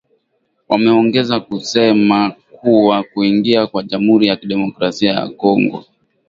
Wameongeza kusema kuwa kuingia kwa jamhuri ya kidemokrasia ya Kongo